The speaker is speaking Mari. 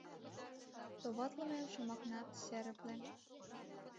Товатлыме шомакнат серыпле.